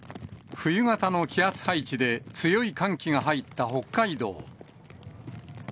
冬型の気圧配置で強い寒気が入った北海道。